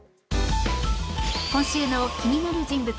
今週の気になる人物